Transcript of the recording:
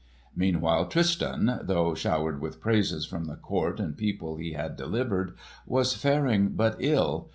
Meanwhile Tristan, though showered with praises from the court and people he had delivered, was faring but ill.